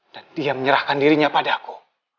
dan dia menyerahkan diriku